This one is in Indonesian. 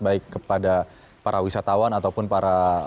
baik kepada para wisatawan ataupun para